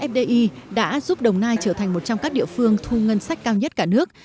fdi đã giúp đồng nai trở thành một trong các địa phương thu ngân sách cao nhất cả nước